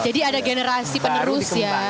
jadi ada generasi penerus ya